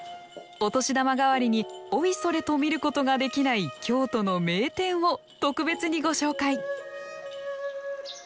お年玉代わりにおいそれと見ることができない京都の名店を特別にご紹介